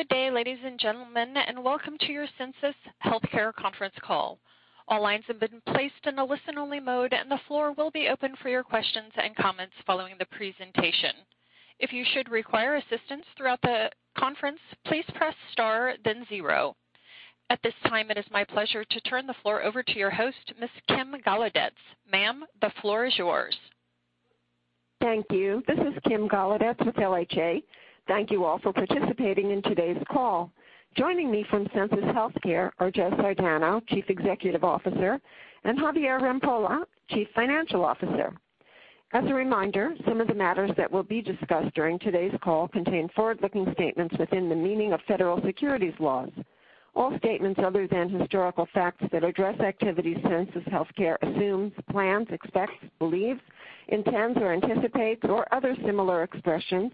Good day, ladies and gentlemen, and welcome to your Sensus Healthcare conference call. All lines have been placed in a listen-only mode, and the floor will be open for your questions and comments following the presentation. If you should require assistance throughout the conference, please press star then zero. At this time, it is my pleasure to turn the floor over to your host, Ms. Kim Golodetz. Ma'am, the floor is yours. Thank you. This is Kim Golodetz with LHA. Thank you all for participating in today's call. Joining me from Sensus Healthcare are Joe Sardano, Chief Executive Officer, and Javier Rampolla, Chief Financial Officer. As a reminder, some of the matters that will be discussed during today's call contain forward-looking statements within the meaning of federal securities laws. All statements other than historical facts that address activities Sensus Healthcare assumes, plans, expects, believes, intends or anticipates or other similar expressions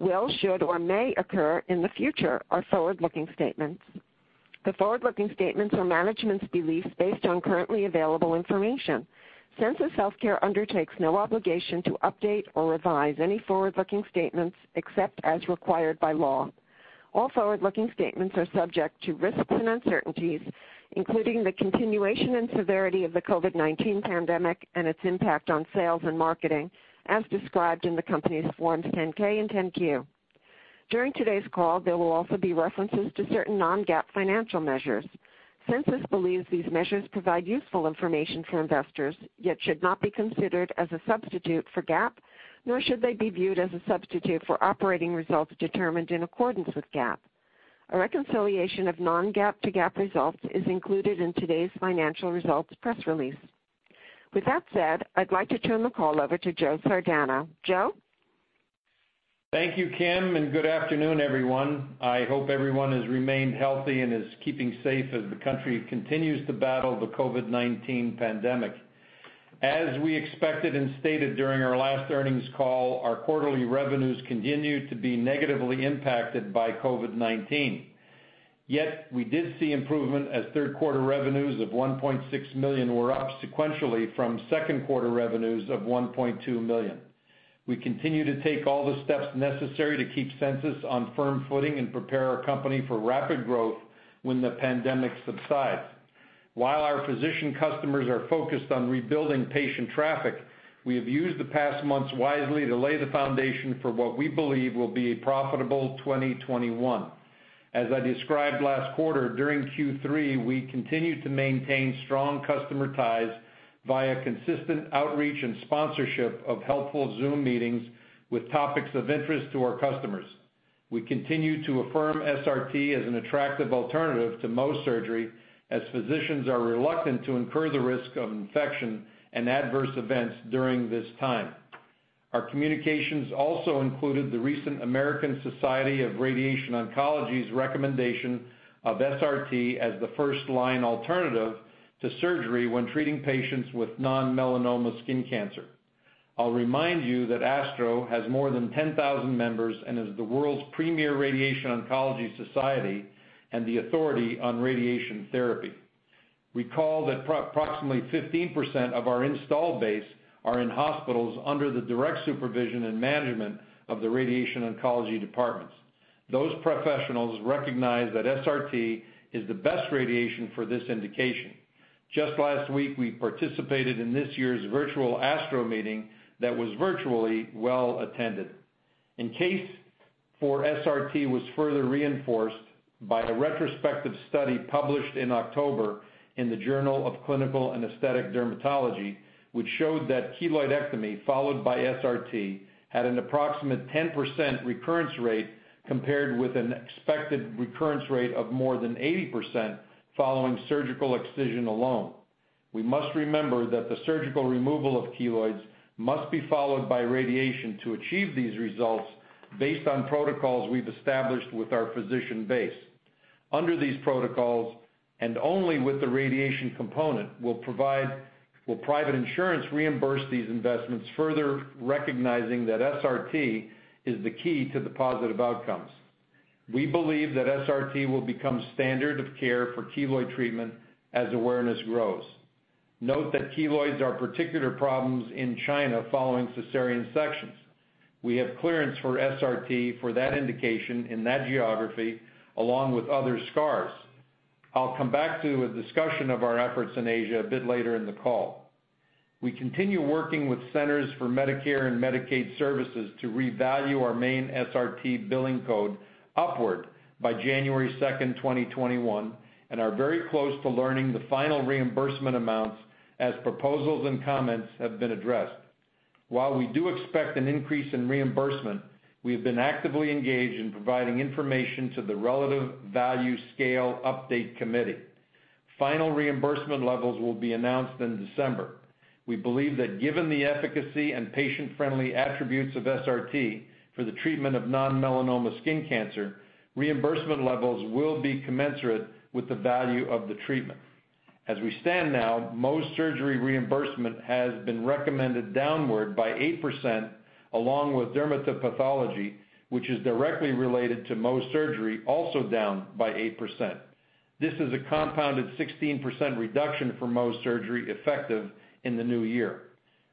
will, should or may occur in the future are forward-looking statements. The forward-looking statements are management's beliefs based on currently available information. Sensus Healthcare undertakes no obligation to update or revise any forward-looking statements except as required by law. All forward-looking statements are subject to risks and uncertainties, including the continuation and severity of the COVID-19 pandemic and its impact on sales and marketing, as described in the company's Forms 10-K and 10-Q. During today's call, there will also be references to certain non-GAAP financial measures. Sensus believes these measures provide useful information for investors, yet should not be considered as a substitute for GAAP, nor should they be viewed as a substitute for operating results determined in accordance with GAAP. A reconciliation of non-GAAP to GAAP results is included in today's financial results press release. With that said, I'd like to turn the call over to Joe Sardano. Joe? Thank you, Kim, and good afternoon, everyone. I hope everyone has remained healthy and is keeping safe as the country continues to battle the COVID-19 pandemic. As we expected and stated during our last earnings call, our quarterly revenues continued to be negatively impacted by COVID-19. We did see improvement as third quarter revenues of $1.6 million were up sequentially from second quarter revenues of $1.2 million. We continue to take all the steps necessary to keep Sensus on firm footing and prepare our company for rapid growth when the pandemic subsides. While our physician customers are focused on rebuilding patient traffic, we have used the past months wisely to lay the foundation for what we believe will be a profitable 2021. As I described last quarter, during Q3, we continued to maintain strong customer ties via consistent outreach and sponsorship of helpful Zoom meetings with topics of interest to our customers. We continue to affirm SRT as an attractive alternative to Mohs surgery as physicians are reluctant to incur the risk of infection and adverse events during this time. Our communications also included the recent American Society for Radiation Oncology's recommendation of SRT as the first-line alternative to surgery when treating patients with non-melanoma skin cancer. I'll remind you that ASTRO has more than 10,000 members and is the world's premier radiation oncology society and the authority on radiation therapy. Recall that approximately 15% of our installed base are in hospitals under the direct supervision and management of the radiation oncology departments. Those professionals recognize that SRT is the best radiation for this indication. Just last week, we participated in this year's virtual ASTRO meeting that was virtually well attended. In case for SRT was further reinforced by a retrospective study published in October in The Journal of Clinical and Aesthetic Dermatology, which showed that keloidectomy followed by SRT had an approximate 10% recurrence rate compared with an expected recurrence rate of more than 80% following surgical excision alone. We must remember that the surgical removal of keloids must be followed by radiation to achieve these results based on protocols we've established with our physician base. Under these protocols, and only with the radiation component, will private insurance reimburse these investments, further recognizing that SRT is the key to the positive outcomes. We believe that SRT will become standard of care for keloid treatment as awareness grows. Note that keloids are particular problems in China following cesarean sections. We have clearance for SRT for that indication in that geography, along with other scars. I'll come back to a discussion of our efforts in Asia a bit later in the call. We continue working with Centers for Medicare & Medicaid Services to revalue our main SRT billing code upward by January 2, 2021, and are very close to learning the final reimbursement amounts as proposals and comments have been addressed. While we do expect an increase in reimbursement, we have been actively engaged in providing information to the Relative Value Scale Update Committee. Final reimbursement levels will be announced in December. We believe that given the efficacy and patient-friendly attributes of SRT for the treatment of non-melanoma skin cancer, reimbursement levels will be commensurate with the value of the treatment. As we stand now, Mohs surgery reimbursement has been recommended downward by 8%, along with dermatopathology, which is directly related to Mohs surgery, also down by 8%. This is a compounded 16% reduction for Mohs surgery effective in the new year.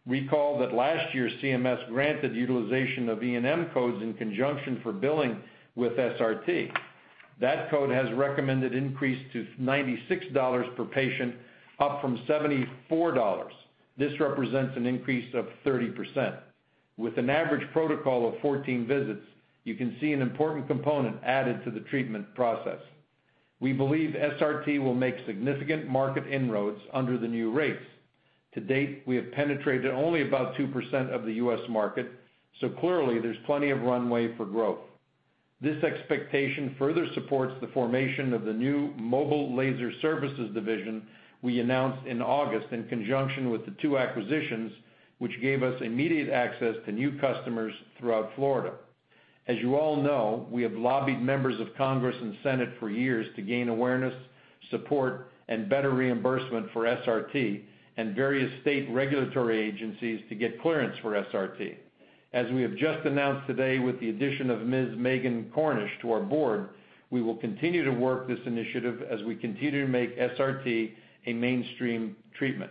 Recall that last year, CMS granted utilization of E&M codes in conjunction for billing with SRT. That code has recommended increase to $96 per patient, up from $74. This represents an increase of 30%. With an average protocol of 14 visits, you can see an important component added to the treatment process. We believe SRT will make significant market inroads under the new rates. To date, we have penetrated only about 2% of the U.S. market, clearly there's plenty of runway for growth. This expectation further supports the formation of the new mobile laser services division we announced in August in conjunction with the two acquisitions, which gave us immediate access to new customers throughout Florida. You all know, we have lobbied members of Congress and Senate for years to gain awareness, support, and better reimbursement for SRT and various state regulatory agencies to get clearance for SRT. We have just announced today with the addition of Ms. Megan Cornish to our board, we will continue to work this initiative as we continue to make SRT a mainstream treatment.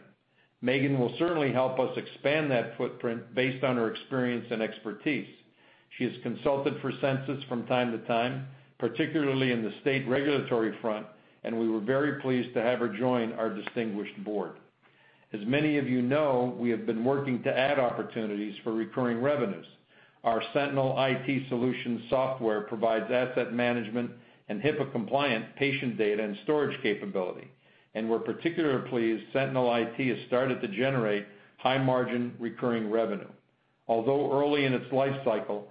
Megan will certainly help us expand that footprint based on her experience and expertise. She has consulted for Sensus from time to time, particularly in the state regulatory front, we were very pleased to have her join our distinguished board. As many of you know, we have been working to add opportunities for recurring revenues. Our Sentinel IT solution software provides asset management and HIPAA-compliant patient data and storage capability, and we're particularly pleased Sentinel IT has started to generate high-margin recurring revenue. Although early in its life cycle,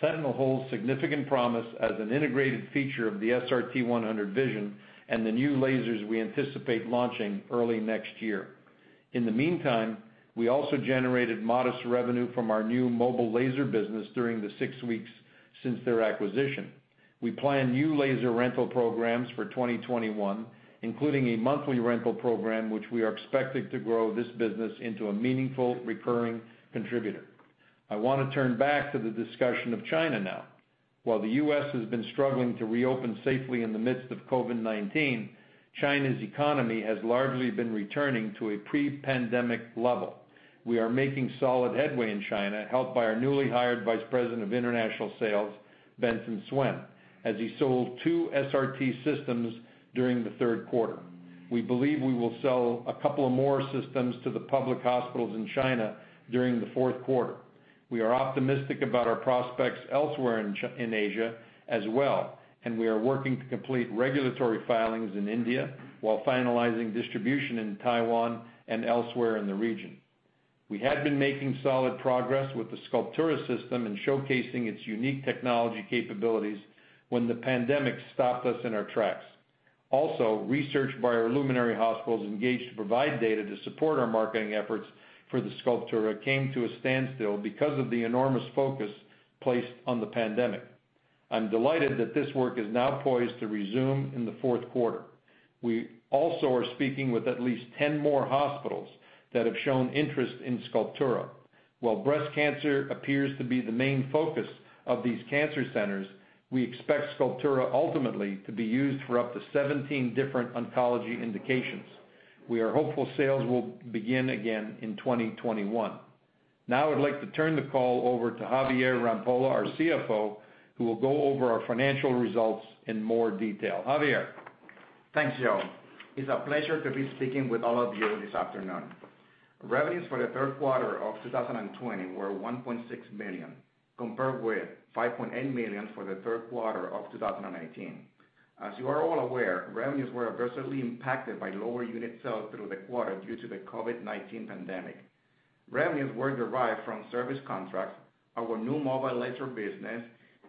Sentinel holds significant promise as an integrated feature of the SRT-100 Vision and the new lasers we anticipate launching early next year. In the meantime, we also generated modest revenue from our new mobile laser business during the six weeks since their acquisition. We plan new laser rental programs for 2021, including a monthly rental program, which we are expecting to grow this business into a meaningful recurring contributor. I want to turn back to the discussion of China now. While the U.S. has been struggling to reopen safely in the midst of COVID-19, China's economy has largely been returning to a pre-pandemic level. We are making solid headway in China, helped by our newly hired Vice President of International Sales, Benson Suen, as he sold two SRT systems during the third quarter. We believe we will sell a couple of more systems to the public hospitals in China during the fourth quarter. We are optimistic about our prospects elsewhere in Asia as well, and we are working to complete regulatory filings in India while finalizing distribution in Taiwan and elsewhere in the region. We had been making solid progress with the Sculptura system and showcasing its unique technology capabilities when the pandemic stopped us in our tracks. Also, research by our luminary hospitals engaged to provide data to support our marketing efforts for the Sculptura came to a standstill because of the enormous focus placed on the pandemic. I'm delighted that this work is now poised to resume in the fourth quarter. We also are speaking with at least 10 more hospitals that have shown interest in Sculptura. While breast cancer appears to be the main focus of these cancer centers, we expect Sculptura ultimately to be used for up to 17 different oncology indications. We are hopeful sales will begin again in 2021. Now I'd like to turn the call over to Javier Rampolla, our CFO, who will go over our financial results in more detail. Javier. Thanks, Joe. It's a pleasure to be speaking with all of you this afternoon. Revenues for the third quarter of 2020 were $1.6 million, compared with $5.8 million for the third quarter of 2019. As you are all aware, revenues were adversely impacted by lower unit sales through the quarter due to the COVID-19 pandemic. Revenues were derived from service contracts, our new mobile laser business,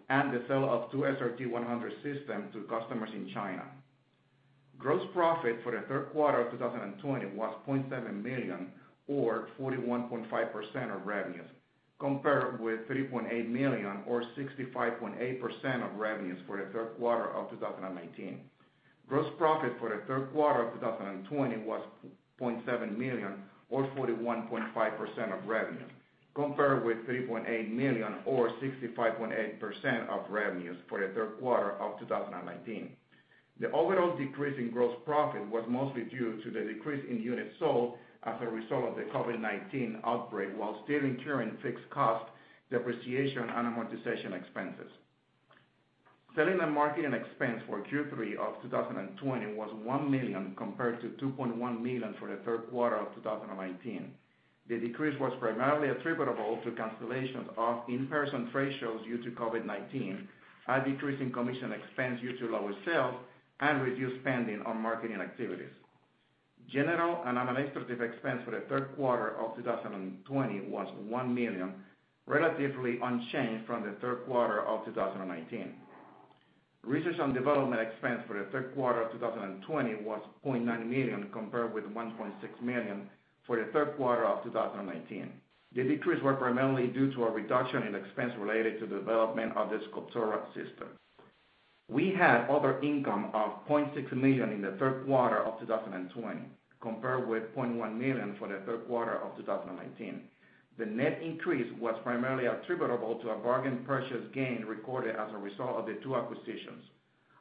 and the sale of two SRT-100 systems to customers in China. Gross profit for the third quarter of 2020 was $0.7 million or 41.5% of revenues, compared with $3.8 million or 65.8% of revenues for the third quarter of 2019. Gross profit for the third quarter of 2020 was $0.7 million or 41.5% of revenue, compared with $3.8 million or 65.8% of revenues for the third quarter of 2019. The overall decrease in gross profit was mostly due to the decrease in units sold as a result of the COVID-19 outbreak while still incurring fixed cost depreciation and amortization expenses. Selling and marketing expense for Q3 of 2020 was $1 million compared to $2.1 million for the third quarter of 2019. The decrease was primarily attributable to cancellations of in-person trade shows due to COVID-19, a decrease in commission expense due to lower sales, and reduced spending on marketing activities. General and administrative expense for the third quarter of 2020 was $1 million, relatively unchanged from the third quarter of 2019. Research and development expense for the third quarter of 2020 was $0.9 million compared with $1.6 million for the third quarter of 2019. The decrease was primarily due to a reduction in expense related to the development of the Sculptura system. We had other income of $0.6 million in the third quarter of 2020 compared with $0.1 million for the third quarter of 2019. The net increase was primarily attributable to a bargain purchase gain recorded as a result of the two acquisitions,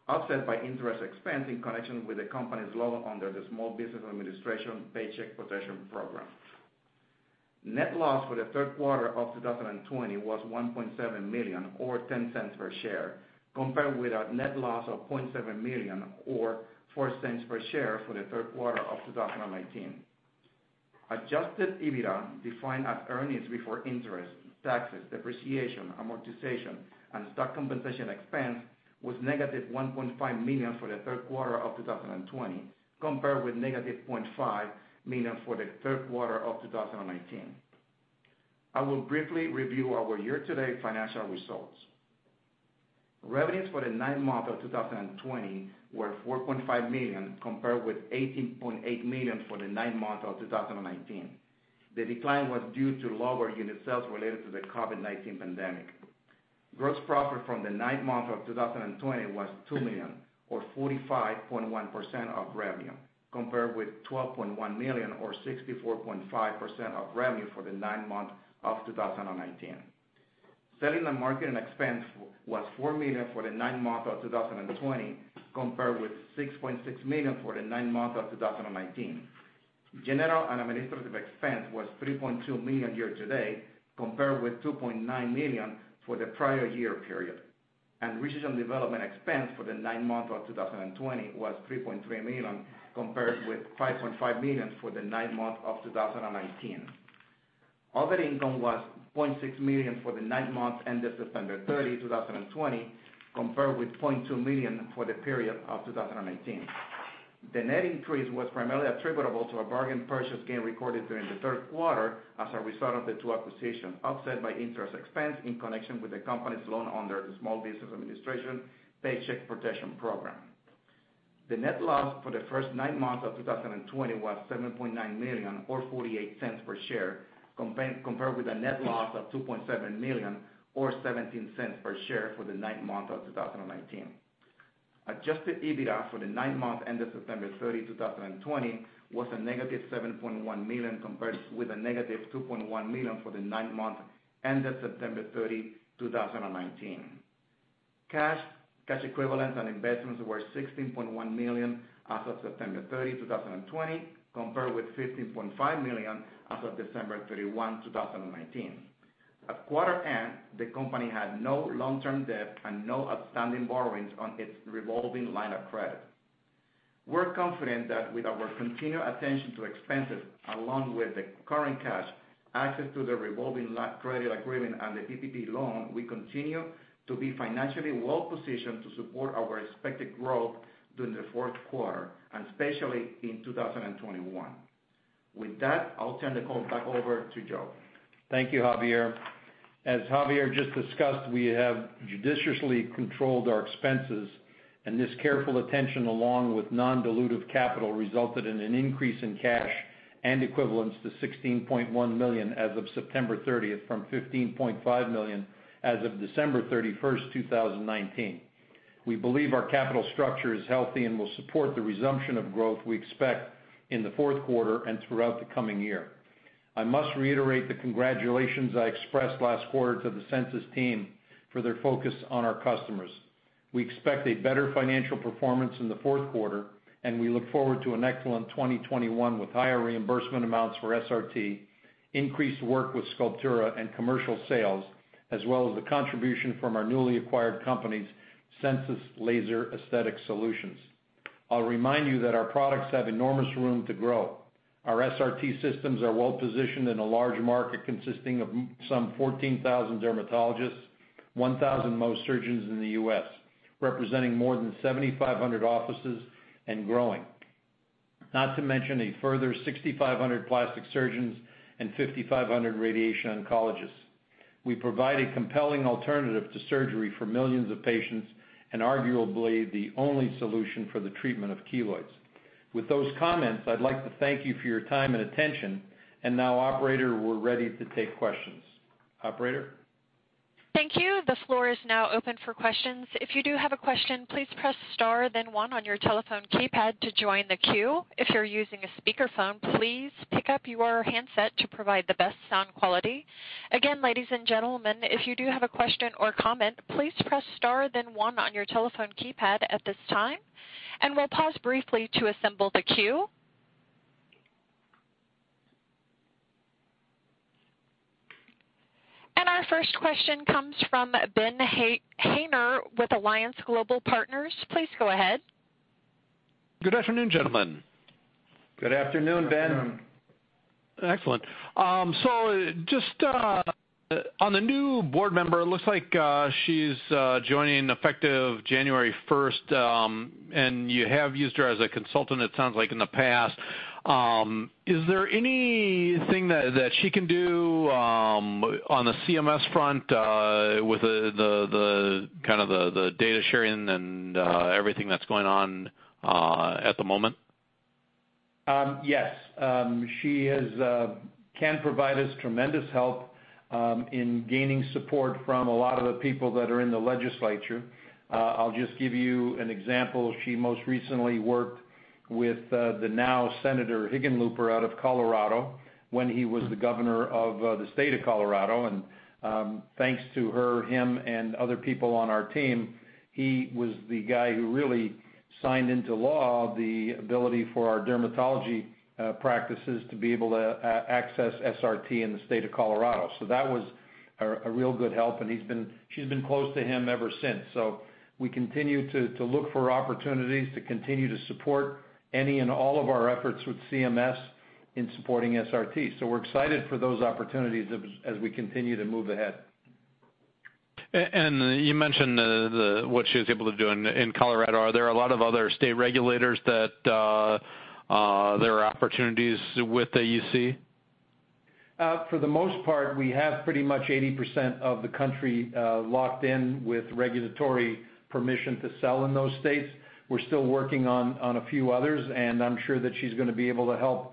offset by interest expense in connection with the company's loan under the Small Business Administration Paycheck Protection Program. Net loss for the third quarter of 2020 was $1.7 million, or $0.10 per share, compared with a net loss of $0.7 million, or $0.04 per share for the third quarter of 2019. Adjusted EBITDA, defined as earnings before interest, taxes, depreciation, amortization, and stock compensation expense, was -$1.5 million for the third quarter of 2020, compared with -$0.5 million for the third quarter of 2019. I will briefly review our year-to-date financial results. Revenues for the nine months of 2020 were $4.5 million, compared with $18.8 million for the nine months of 2019. The decline was due to lower unit sales related to the COVID-19 pandemic. Gross profit from the nine months of 2020 was $2 million or 45.1% of revenue, compared with $12.1 million or 64.5% of revenue for the nine months of 2019. Selling and marketing expense was $4 million for the nine months of 2020, compared with $6.6 million for the nine months of 2019. General and administrative expense was $3.2 million year-to-date, compared with $2.9 million for the prior year period. Research and development expense for the nine months of 2020 was $3.3 million, compared with $5.5 million for the nine months of 2019. Other income was $0.6 million for the nine months ended September 30, 2020, compared with $0.2 million for the period of 2019. The net increase was primarily attributable to a bargain purchase gain recorded during the third quarter as a result of the two acquisitions, offset by interest expense in connection with the company's loan under the Small Business Administration Paycheck Protection Program. The net loss for the first nine months of 2020 was $7.9 million or $0.48 per share, compared with a net loss of $2.7 million or $0.17 per share for the nine months of 2019. Adjusted EBITDA for the nine months ended September 30, 2020, was a -$7.1 million compared with a -$2.1 million for the nine months ended September 30, 2019. Cash, cash equivalents, and investments were $16.1 million as of September 30, 2020, compared with $15.5 million as of December 31, 2019. At quarter end, the company had no long-term debt and no outstanding borrowings on its revolving line of credit. We're confident that with our continued attention to expenses, along with the current cash, access to the revolving credit agreement, and the PPP loan, we continue to be financially well-positioned to support our expected growth during the fourth quarter, and especially in 2021. With that, I'll turn the call back over to Joe. Thank you, Javier. As Javier just discussed, we have judiciously controlled our expenses, and this careful attention, along with non-dilutive capital, resulted in an increase in cash and equivalents to $16.1 million as of September 30th, from $15.5 million as of December 31st, 2019. We believe our capital structure is healthy and will support the resumption of growth we expect in the fourth quarter and throughout the coming year. I must reiterate the congratulations I expressed last quarter to the Sensus team for their focus on our customers. We expect a better financial performance in the fourth quarter, and we look forward to an excellent 2021 with higher reimbursement amounts for SRT, increased work with Sculptura, and commercial sales, as well as the contribution from our newly acquired company's Sensus Laser Aesthetic Solutions. I'll remind you that our products have enormous room to grow. Our SRT systems are well positioned in a large market consisting of some 14,000 dermatologists, 1,000 Mohs surgeons in the U.S., representing more than 7,500 offices and growing. Not to mention a further 6,500 plastic surgeons and 5,500 radiation oncologists. We provide a compelling alternative to surgery for millions of patients, and arguably the only solution for the treatment of keloids. With those comments, I'd like to thank you for your time and attention, and now, operator, we're ready to take questions. Operator? Thank you. The floor is now open for questions. If you do have a question, please press star then one on your telephone keypad to join the queue. If you're using a speakerphone, please pick up your handset to provide the best sound quality. Again, ladies and gentlemen, if you do have a question or comment, please press star then one on your telephone keypad at this time. We'll pause briefly to assemble the queue. Our first question comes from Ben Haynor with Alliance Global Partners. Please go ahead. Good afternoon, gentlemen. Good afternoon, Ben. Excellent. Just on the new board member, looks like she's joining effective January 1st, and you have used her as a consultant, it sounds like, in the past. Is there anything that she can do on the CMS front, with kind of the data sharing and everything that's going on at the moment? Yes. She can provide us tremendous help in gaining support from a lot of the people that are in the legislature. I'll just give you an example. She most recently worked with the now Senator Hickenlooper of Colorado when he was the governor of the state of Colorado. Thanks to her, him, and other people on our team, he was the guy who really signed into law the ability for our dermatology practices to be able to access SRT in the state of Colorado. That was a real good help, and she's been close to him ever since. We continue to look for opportunities to continue to support any and all of our efforts with CMS in supporting SRT. We're excited for those opportunities as we continue to move ahead. You mentioned what she was able to do in Colorado. Are there a lot of other state regulators that there are opportunities with that you see? For the most part, we have pretty much 80% of the country locked in with regulatory permission to sell in those states. We're still working on a few others. I'm sure that she's going to be able to help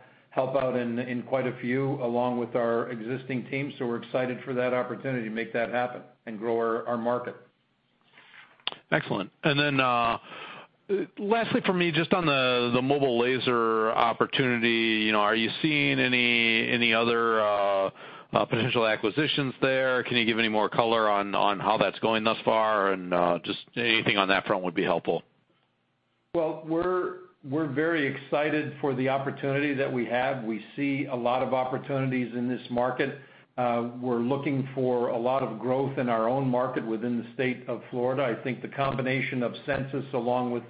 out in quite a few, along with our existing team. We're excited for that opportunity to make that happen and grow our market. Excellent. Then, lastly for me, just on the mobile laser opportunity. Are you seeing any other potential acquisitions there? Can you give any more color on how that's going thus far? Just anything on that front would be helpful. We're very excited for the opportunity that we have. We see a lot of opportunities in this market. We're looking for a lot of growth in our own market within the state of Florida. I think the combination of Sensus, along with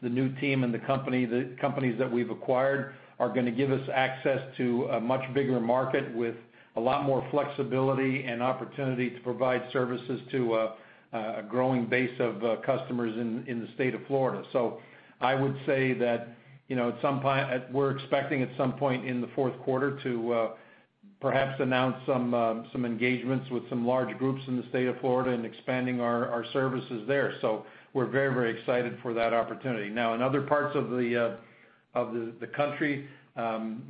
the new team and the companies that we've acquired, are going to give us access to a much bigger market with a lot more flexibility and opportunity to provide services to a growing base of customers in the state of Florida. I would say that we're expecting at some point in the fourth quarter to perhaps announce some engagements with some large groups in the state of Florida and expanding our services there. We're very excited for that opportunity. Now, in other parts of the country,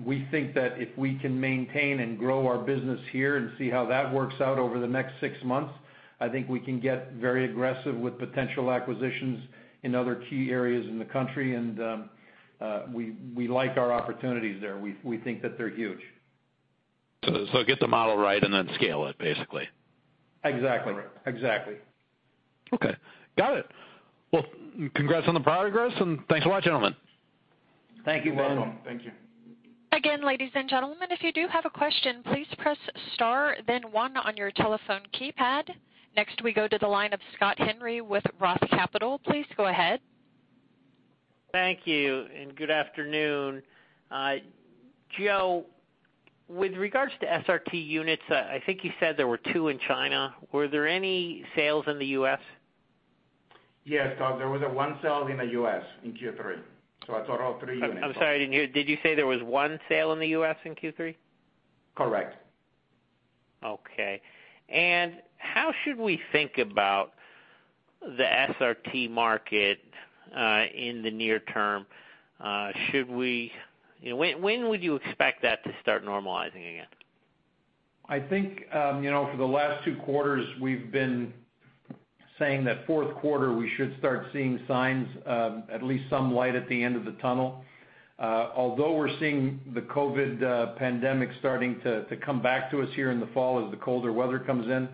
we think that if we can maintain and grow our business here and see how that works out over the next six months, I think we can get very aggressive with potential acquisitions in other key areas in the country. We like our opportunities there. We think that they're huge. Get the model right and then scale it, basically. Exactly. Okay. Got it. Well, congrats on the progress, and thanks a lot, gentlemen. Thank you. You're welcome. Thank you. Ladies and gentlemen, if you do have a question, please press star then one on your telephone keypad. We go to the line of Scott Henry with ROTH Capital Partners. Please go ahead. Thank you, and good afternoon. Joe, with regards to SRT units, I think you said there were two in China. Were there any sales in the U.S.? Yes, Scott, there was one sale in the U.S. in Q3, so that's a total of three units. I'm sorry, did you say there was one sale in the U.S. in Q3? Correct. Okay. How should we think about the SRT market in the near term? When would you expect that to start normalizing again? I think, for the last two quarters, we've been saying that fourth quarter, we should start seeing signs of at least some light at the end of the tunnel. Although we're seeing the COVID pandemic starting to come back to us here in the fall as the colder weather comes in,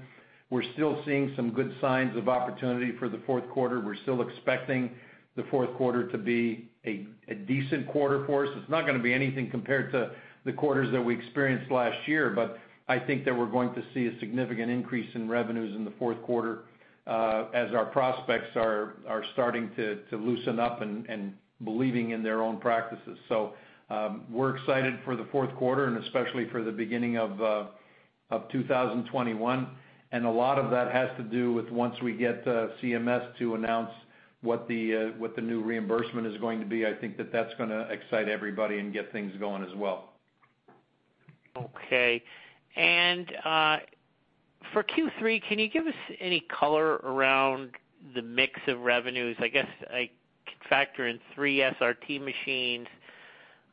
we're still seeing some good signs of opportunity for the fourth quarter. We're still expecting the fourth quarter to be a decent quarter for us. It's not going to be anything compared to the quarters that we experienced last year, but I think that we're going to see a significant increase in revenues in the fourth quarter as our prospects are starting to loosen up and believing in their own practices. We're excited for the fourth quarter and especially for the beginning of 2021. A lot of that has to do with once we get CMS to announce what the new reimbursement is going to be. I think that that's going to excite everybody and get things going as well. Okay. For Q3, can you give us any color around the mix of revenues? I guess I could factor in three SRT machines.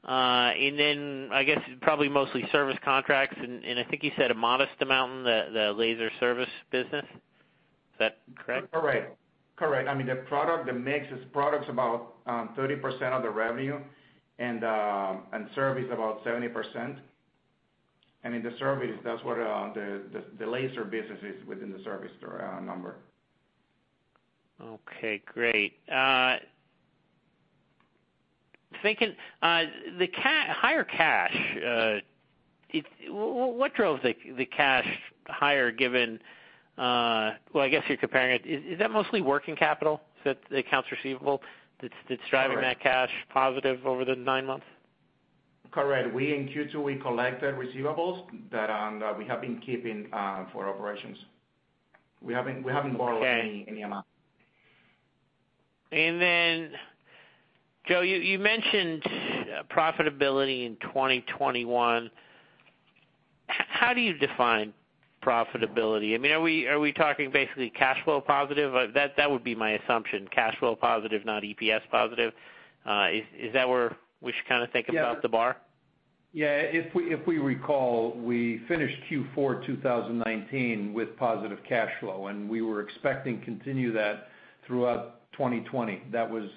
I guess probably mostly service contracts, and I think you said a modest amount in the laser service business. Is that correct? Correct. The mix is products about 30% of the revenue, service about 70%. In the service, that's what the laser business is within the service number. Okay, great. Thinking the higher cash, what drove the cash higher? Well, I guess you're comparing it. Is that mostly working capital, the accounts receivable that's driving that cash positive over the nine months? Correct. We, in Q2, we collected receivables that we have been keeping for operations. We haven't borrowed any amount. Joe, you mentioned profitability in 2021. How do you define profitability? Are we talking basically cash flow positive? That would be my assumption, cash flow positive, not EPS positive. Is that where we should kind of think about the bar? Yeah. If we recall, we finished Q4 2019 with positive cash flow, and we were expecting to continue that throughout 2020. That was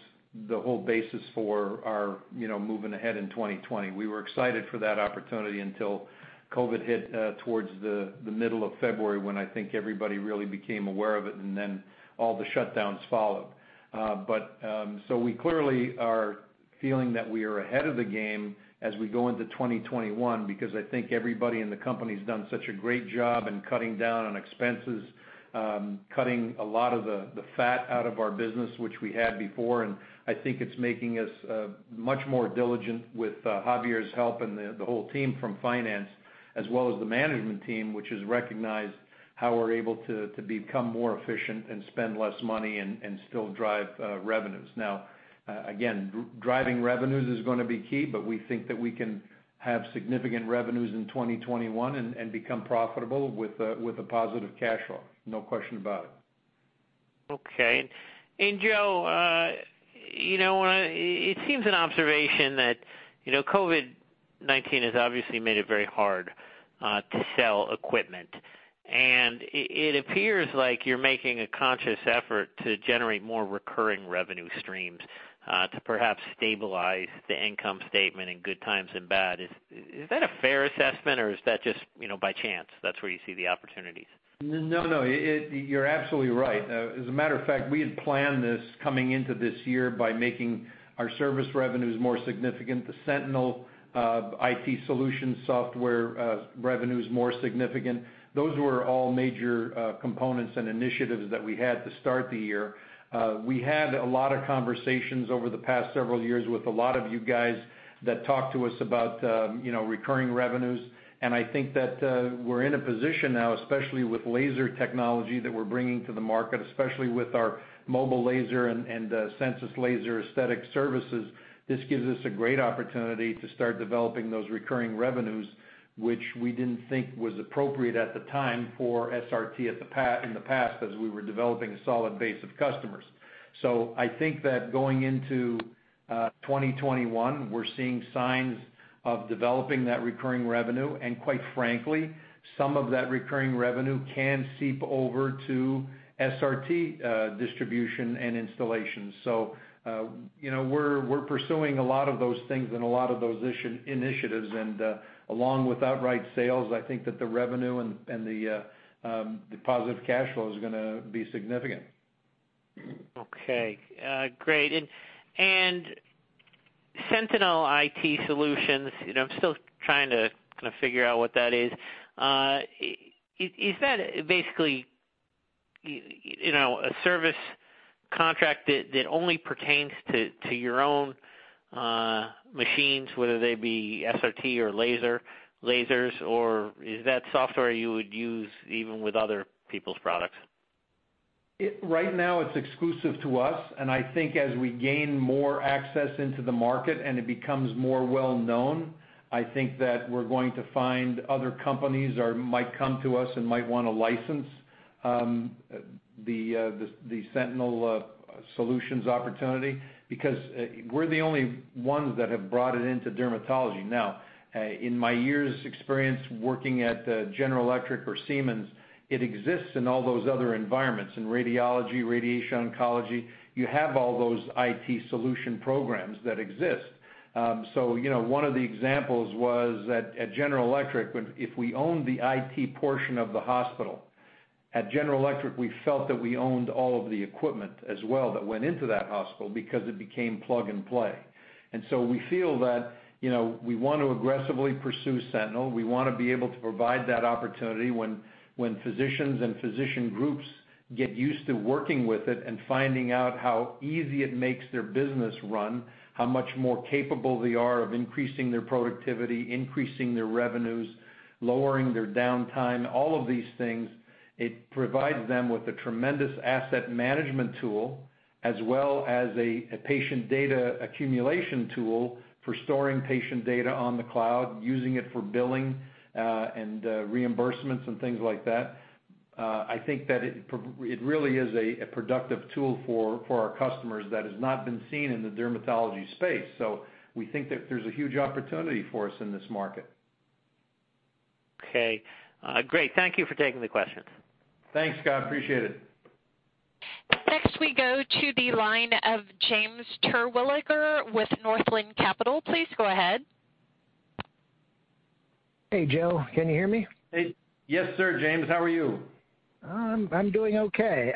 the whole basis for our moving ahead in 2020. We were excited for that opportunity until COVID hit towards the middle of February, when I think everybody really became aware of it, and then all the shutdowns followed. We clearly are feeling that we are ahead of the game as we go into 2021, because I think everybody in the company's done such a great job in cutting down on expenses, cutting a lot of the fat out of our business, which we had before. I think it's making us much more diligent with Javier's help and the whole team from finance, as well as the management team, which has recognized how we're able to become more efficient and spend less money and still drive revenues. Now, again, driving revenues is going to be key, but we think that we can have significant revenues in 2021 and become profitable with a positive cash flow. No question about it. Okay. Joe, it seems an observation that COVID-19 has obviously made it very hard to sell equipment. It appears like you're making a conscious effort to generate more recurring revenue streams, to perhaps stabilize the income statement in good times and bad. Is that a fair assessment, or is that just by chance, that's where you see the opportunities? No, you're absolutely right. As a matter of fact, we had planned this coming into this year by making our service revenues more significant, the Sentinel IT solution software revenues more significant. Those were all major components and initiatives that we had to start the year. We had a lot of conversations over the past several years with a lot of you guys that talked to us about recurring revenues. I think that we're in a position now, especially with laser technology that we're bringing to the market, especially with our mobile laser and Sensus Laser Aesthetic Services. This gives us a great opportunity to start developing those recurring revenues, which we didn't think was appropriate at the time for SRT in the past, as we were developing a solid base of customers. I think that going into 2021, we're seeing signs of developing that recurring revenue, and quite frankly, some of that recurring revenue can seep over to SRT distribution and installations. We're pursuing a lot of those things and a lot of those initiatives. Along with outright sales, I think that the revenue and the positive cash flow is going to be significant. Okay. Great. Sentinel IT Solutions, I'm still trying to kind of figure out what that is. Is that basically a service contract that only pertains to your own machines, whether they be SRT or lasers, or is that software you would use even with other people's products? Right now, it's exclusive to us, and I think as we gain more access into the market and it becomes more well-known, I think that we're going to find other companies might come to us and might want to license the Sentinel Solutions opportunity. Because we're the only ones that have brought it into dermatology. Now, in my years experience working at General Electric or Siemens, it exists in all those other environments, in radiology, radiation oncology. You have all those IT solution programs that exist. So, one of the examples was at General Electric, if we owned the IT portion of the hospital. At General Electric, we felt that we owned all of the equipment as well that went into that hospital because it became plug-and-play. We feel that we want to aggressively pursue Sentinel. We want to be able to provide that opportunity when physicians and physician groups get used to working with it and finding out how easy it makes their business run, how much more capable they are of increasing their productivity, increasing their revenues, lowering their downtime, all of these things. It provides them with a tremendous asset management tool, as well as a patient data accumulation tool for storing patient data on the cloud, using it for billing, and reimbursements and things like that. I think that it really is a productive tool for our customers that has not been seen in the dermatology space. We think that there's a huge opportunity for us in this market. Okay. Great. Thank you for taking the questions. Thanks, Scott. Appreciate it. Next we go to the line of James Terwilliger with Northland Capital. Please go ahead. Hey, Joe. Can you hear me? Yes, sir, James. How are you? I'm doing okay.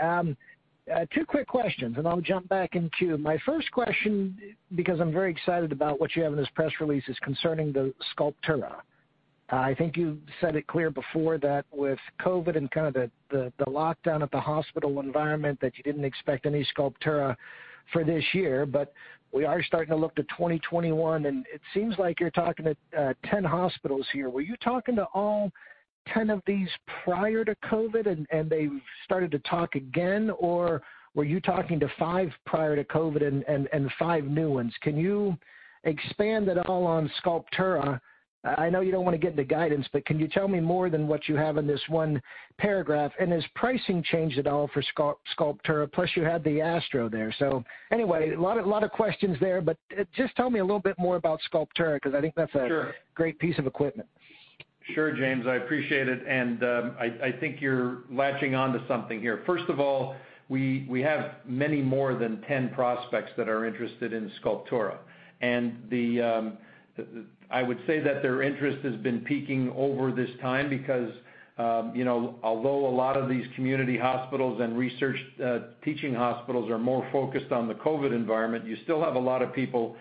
Two quick questions. I'll jump back in queue. My first question, because I'm very excited about what you have in this press release, is concerning the Sculptura. I think you said it clear before that with COVID and kind of the lockdown of the hospital environment, that you didn't expect any Sculptura for this year. We are starting to look to 2021. It seems like you're talking to 10 hospitals here. Were you talking to all 10 of these prior to COVID, they started to talk again, or were you talking to five prior to COVID and five new ones? Can you expand at all on Sculptura? I know you don't want to get into guidance, can you tell me more than what you have in this one paragraph? Has pricing changed at all for Sculptura? You had the ASTRO there. Anyway, a lot of questions there, but just tell me a little bit more about Sculptura. Sure great piece of equipment. Sure, James, I appreciate it. I think you're latching onto something here. First of all, we have many more than 10 prospects that are interested in Sculptura. I would say that their interest has been peaking over this time because, although a lot of these community hospitals and research teaching hospitals are more focused on the COVID environment, you still have a lot of people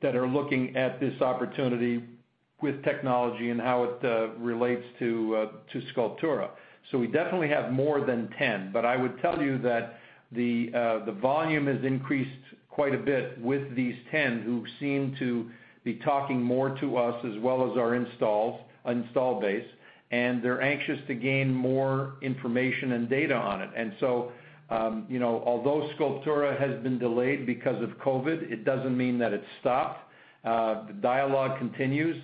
that are looking at this opportunity with technology and how it relates to Sculptura. We definitely have more than 10. I would tell you that the volume has increased quite a bit with these 10 who seem to be talking more to us as well as our install base, and they're anxious to gain more information and data on it. Although Sculptura has been delayed because of COVID, it doesn't mean that it's stopped. The dialogue continues,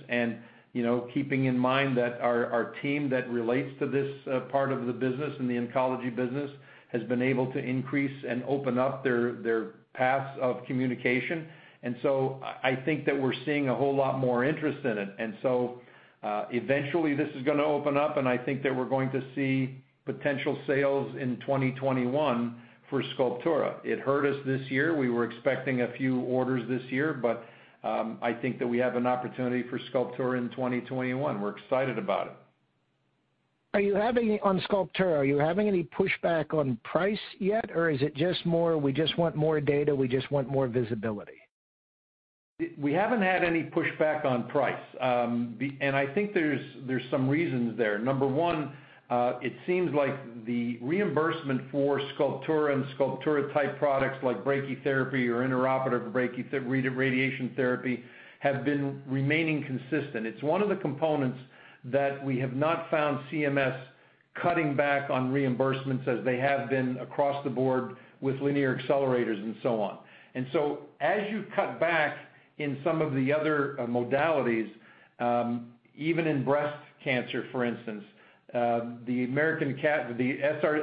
keeping in mind that our team that relates to this part of the business and the oncology business, has been able to increase and open up their paths of communication. I think that we're seeing a whole lot more interest in it. Eventually this is going to open up, and I think that we're going to see potential sales in 2021 for Sculptura. It hurt us this year. We were expecting a few orders this year, but, I think that we have an opportunity for Sculptura in 2021. We're excited about it. On Sculptura, are you having any pushback on price yet, or is it just more, we just want more data, we just want more visibility? We haven't had any pushback on price. I think there's some reasons there. Number one, it seems like the reimbursement for Sculptura and Sculptura-type products like brachytherapy or intraoperative radiation therapy, have been remaining consistent. It's one of the components that we have not found CMS cutting back on reimbursements as they have been across the board with linear accelerators and so on. As you cut back in some of the other modalities, even in breast cancer, for instance, the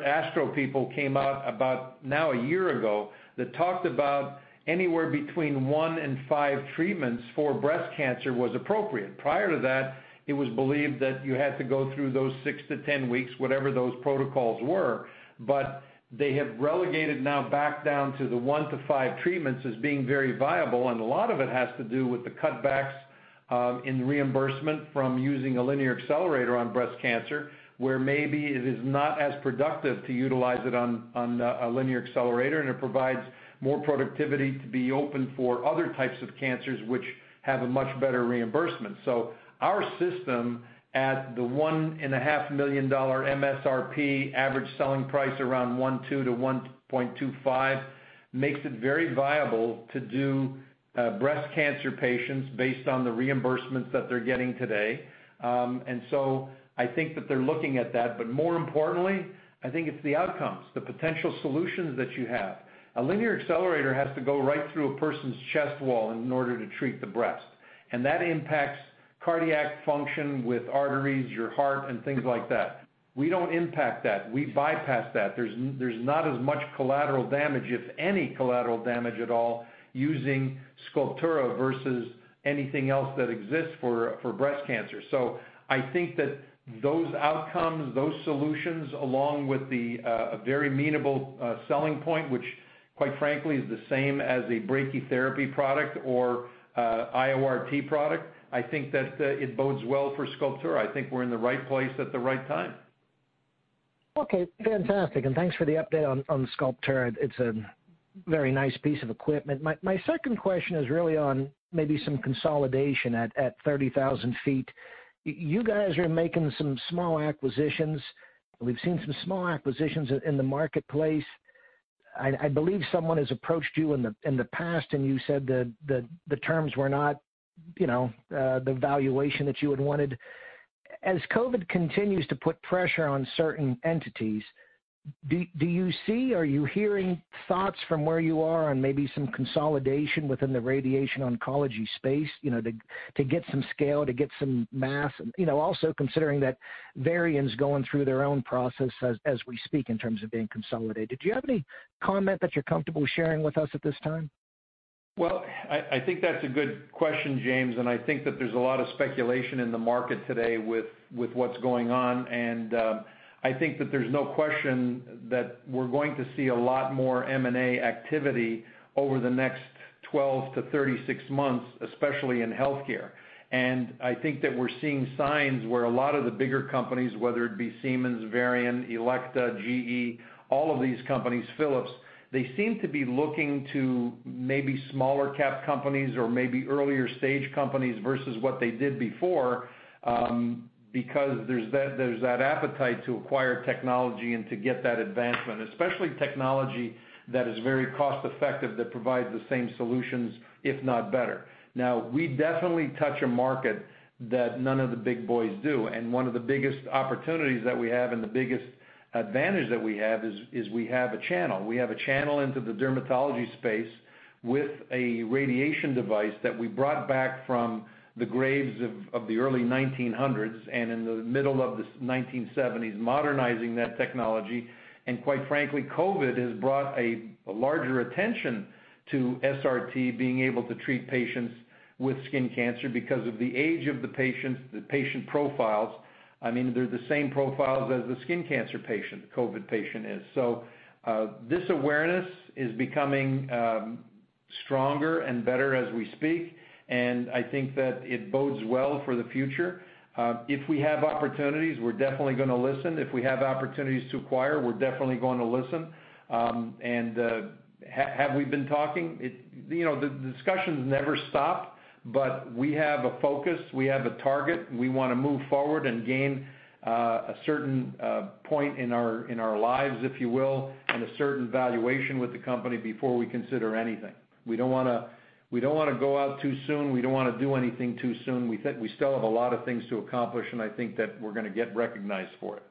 ASTRO people came out about now a year ago, that talked about anywhere between one and five treatments for breast cancer was appropriate. Prior to that, it was believed that you had to go through those six to 10 weeks, whatever those protocols were. They have relegated now back down to the one to five treatments as being very viable. A lot of it has to do with the cutbacks in reimbursement from using a linear accelerator on breast cancer, where maybe it is not as productive to utilize it on a linear accelerator, and it provides more productivity to be open for other types of cancers which have a much better reimbursement. Our system at the $1.5 million MSRP, average selling price around $1.2 million to $1.25 million, makes it very viable to do breast cancer patients based on the reimbursements that they're getting today. I think that they're looking at that. More importantly, I think it's the outcomes, the potential solutions that you have. A linear accelerator has to go right through a person's chest wall in order to treat the breast. That impacts cardiac function with arteries, your heart, and things like that. We don't impact that. We bypass that. There's not as much collateral damage, if any collateral damage at all, using Sculptura versus anything else that exists for breast cancer. I think that those outcomes, those solutions, along with the, a very amenable selling point, which quite frankly is the same as a brachytherapy product or IORT product. I think that it bodes well for Sculptura. I think we're in the right place at the right time. Okay, fantastic, and thanks for the update on Sculptura. It's a very nice piece of equipment. My second question is really on maybe some consolidation at 30,000 feet. You guys are making some small acquisitions. We've seen some small acquisitions in the marketplace. I believe someone has approached you in the past, and you said the terms were not the valuation that you had wanted. As COVID continues to put pressure on certain entities, do you see, are you hearing thoughts from where you are on maybe some consolidation within the radiation oncology space, to get some scale, to get some mass? Also considering that Varian is going through their own process as we speak in terms of being consolidated. Do you have any comment that you're comfortable sharing with us at this time? Well, I think that's a good question, James. I think that there's a lot of speculation in the market today with what's going on. I think that there's no question that we're going to see a lot more M&A activity over the next 12-36 months, especially in healthcare. I think that we're seeing signs where a lot of the bigger companies, whether it be Siemens, Varian, Elekta, GE, all of these companies, Philips, they seem to be looking to maybe smaller cap companies or maybe earlier stage companies versus what they did before, because there's that appetite to acquire technology and to get that advancement, especially technology that is very cost-effective, that provides the same solutions, if not better. We definitely touch a market that none of the big boys do. One of the biggest opportunities that we have and the biggest advantage that we have is we have a channel. We have a channel into the dermatology space with a radiation device that we brought back from the graves of the early 1900s and in the middle of the 1970s, modernizing that technology. Quite frankly, COVID has brought a larger attention to SRT being able to treat patients with skin cancer because of the age of the patients, the patient profiles, they're the same profiles as the skin cancer patient, COVID patient is. This awareness is becoming stronger and better as we speak. I think that it bodes well for the future. If we have opportunities, we're definitely going to listen. If we have opportunities to acquire, we're definitely going to listen. Have we been talking? The discussions never stop. We have a focus. We have a target. We want to move forward and gain a certain point in our lives, if you will, and a certain valuation with the company before we consider anything. We don't want to go out too soon. We don't want to do anything too soon. We still have a lot of things to accomplish. I think that we're going to get recognized for it.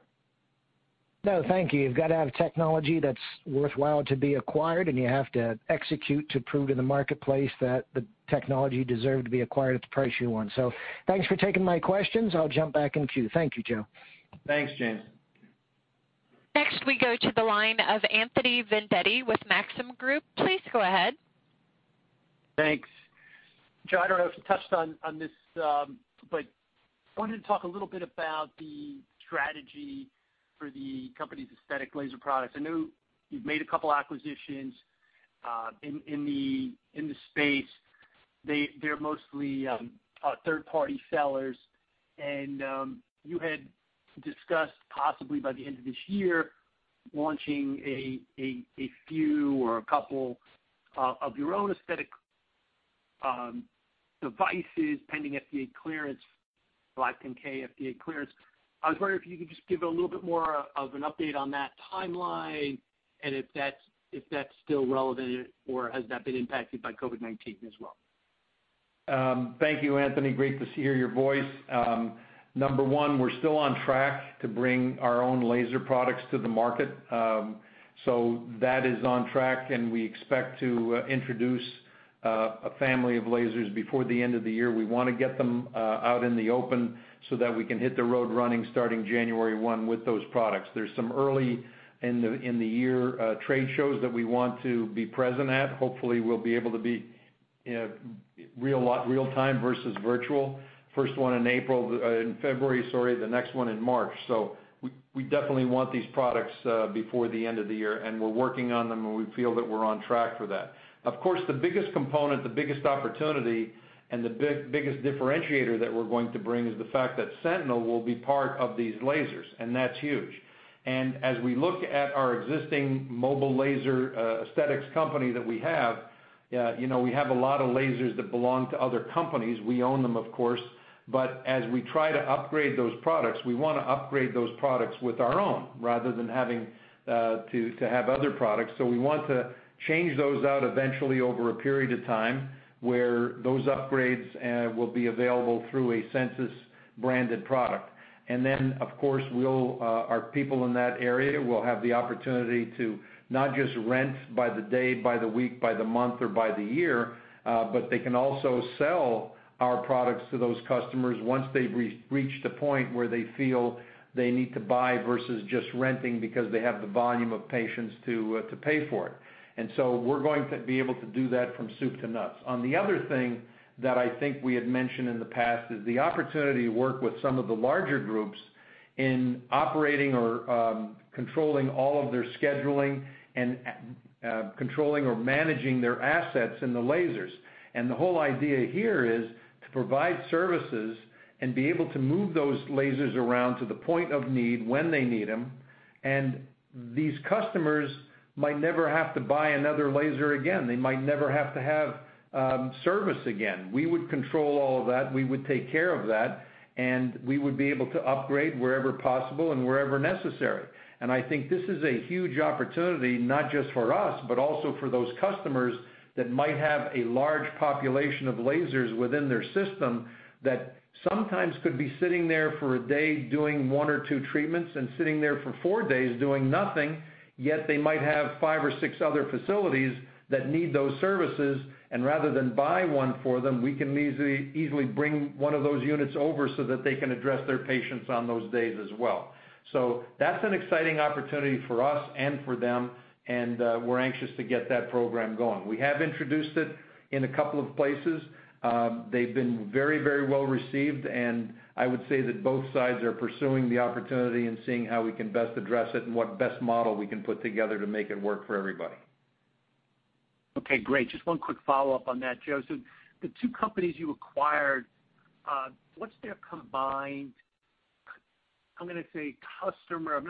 No, thank you. You've got to have technology that's worthwhile to be acquired, and you have to execute to prove to the marketplace that the technology deserved to be acquired at the price you want. Thanks for taking my questions. I'll jump back in queue. Thank you, Joe. Thanks, James. Next we go to the line of Anthony Vendetti with Maxim Group. Please go ahead. Thanks. Joe, I don't know if you touched on this, but wanted to talk a little bit about the strategy for the company's aesthetic laser products. I know you've made a couple acquisitions in the space. They're mostly third-party sellers, and you had discussed possibly by the end of this year launching a few or a couple of your own aesthetic devices, pending FDA clearance, 510 FDA clearance. I was wondering if you could just give a little bit more of an update on that timeline and if that's still relevant, or has that been impacted by COVID-19 as well? Thank you, Anthony. Great to hear your voice. Number one, we're still on track to bring our own laser products to the market. That is on track, and we expect to introduce a family of lasers before the end of the year. We want to get them out in the open so that we can hit the road running starting January 1 with those products. There's some early-in-the-year trade shows that we want to be present at. Hopefully, we'll be able to be real time versus virtual. First one in February, sorry, the next one in March. We definitely want these products before the end of the year, and we're working on them, and we feel that we're on track for that. Of course, the biggest component, the biggest opportunity, and the biggest differentiator that we're going to bring is the fact that Sentinel will be part of these lasers, and that's huge. As we look at our existing mobile laser aesthetics company that we have, we have a lot of lasers that belong to other companies. We own them, of course. As we try to upgrade those products, we want to upgrade those products with our own rather than having to have other products. We want to change those out eventually over a period of time, where those upgrades will be available through a Sensus-branded product. Of course, our people in that area will have the opportunity to not just rent by the day, by the week, by the month, or by the year. They can also sell our products to those customers once they've reached a point where they feel they need to buy versus just renting because they have the volume of patients to pay for it. We're going to be able to do that from soup to nuts. On the other thing that I think we had mentioned in the past is the opportunity to work with some of the larger groups in operating or controlling all of their scheduling and controlling or managing their assets in the lasers. The whole idea here is to provide services and be able to move those lasers around to the point of need when they need them. These customers might never have to buy another laser again. They might never have to have service again. We would control all of that. We would take care of that, and we would be able to upgrade wherever possible and wherever necessary. I think this is a huge opportunity not just for us, but also for those customers that might have a large population of lasers within their system that sometimes could be sitting there for a day doing one or two treatments and sitting there for four days doing nothing. Yet they might have five or six other facilities that need those services, and rather than buy one for them, we can easily bring one of those units over so that they can address their patients on those days as well. That's an exciting opportunity for us and for them, and we're anxious to get that program going. We have introduced it in a couple of places. They've been very well received, and I would say that both sides are pursuing the opportunity and seeing how we can best address it and what best model we can put together to make it work for everybody. Okay, great. Just one quick follow-up on that, Joe. The two companies you acquired, what's their combined customer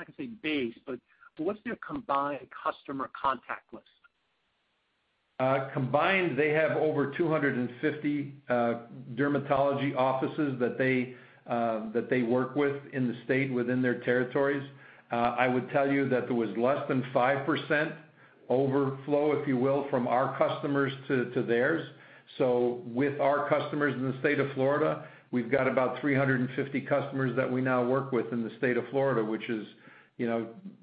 contact list? Combined, they have over 250 dermatology offices that they work with in the state within their territories. I would tell you that there was less than 5% overflow, if you will, from our customers to theirs. With our customers in the state of Florida, we've got about 350 customers that we now work with in the state of Florida, which is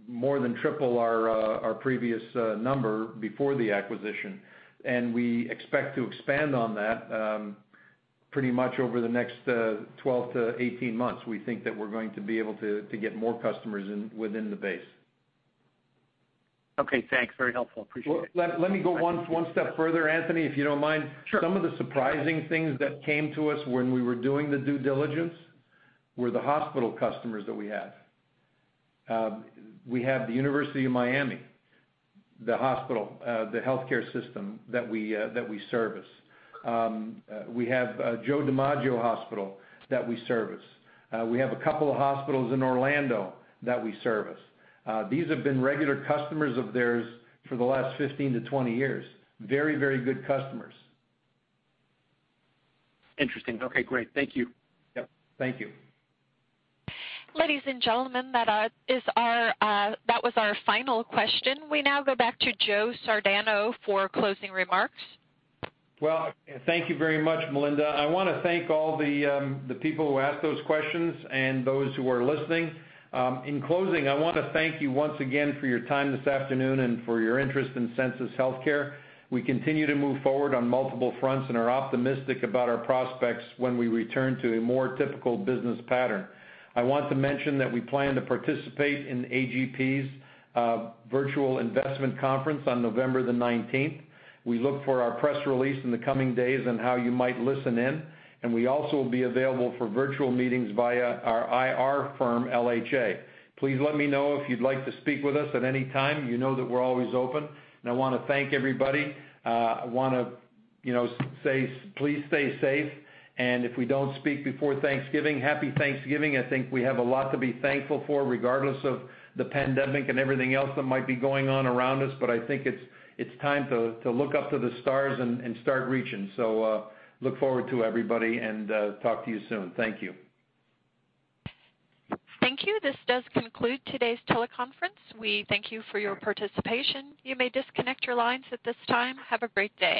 more than triple our previous number before the acquisition. We expect to expand on that pretty much over the next 12-18 months. We think that we're going to be able to get more customers within the base. Okay, thanks. Very helpful. Appreciate it. Let me go one step further, Anthony, if you don't mind. Sure. Some of the surprising things that came to us when we were doing the due diligence were the hospital customers that we have. We have the University of Miami, the hospital, the healthcare system that we service. We have Joe DiMaggio Hospital that we service. We have a couple of hospitals in Orlando that we service. These have been regular customers of theirs for the last 15 to 20 years. Very good customers. Interesting. Okay, great. Thank you. Yep. Thank you. Ladies and gentlemen, that was our final question. We now go back to Joe Sardano for closing remarks. Well, thank you very much, Melinda. I want to thank all the people who asked those questions and those who are listening. In closing, I want to thank you once again for your time this afternoon and for your interest in Sensus Healthcare. We continue to move forward on multiple fronts and are optimistic about our prospects when we return to a more typical business pattern. I want to mention that we plan to participate in A.G.P.'s virtual investment conference on November 19th. We look for our press release in the coming days on how you might listen in, and we also will be available for virtual meetings via our IR firm, LHA. Please let me know if you'd like to speak with us at any time. You know that we're always open, and I want to thank everybody. I want to say please stay safe, and if we don't speak before Thanksgiving, Happy Thanksgiving. I think we have a lot to be thankful for, regardless of the pandemic and everything else that might be going on around us, but I think it's time to look up to the stars and start reaching. Look forward to everybody and talk to you soon. Thank you. Thank you. This does conclude today's teleconference. We thank you for your participation. You may disconnect your lines at this time. Have a great day.